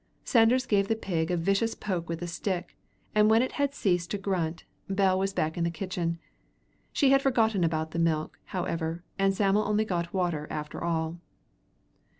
Sanders gave the pig a vicious poke with a stick, and when it had ceased to grunt, Bell was back in the kitchen. She had forgotten about the milk, however, and Sam'l only got water after all.